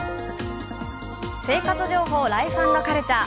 生活情報「ライフ＆カルチャー」。